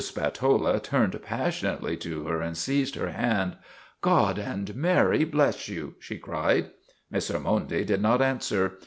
Spatola turned passionately to her and seized her hand. " God and Mary bless you! " she cried. Miss Ormonde did not answer.